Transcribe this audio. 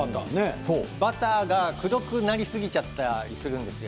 バターが、くどくなりすぎちゃったりするんですよ。